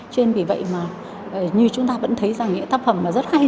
cho nên vì vậy mà như chúng ta vẫn thấy rằng những tác phẩm rất hay